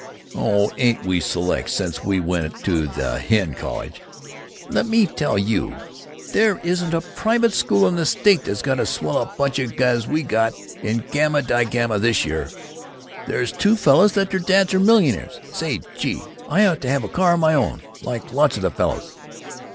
"Oh, ain't we select since we went to that hen college! Let me tell you there isn't a private school in the state that's got as swell a bunch as we got in Gamma Digamma this year. There's two fellows that their dads are millionaires. Say, gee, I ought to have a car of my own, like lots of the fellows."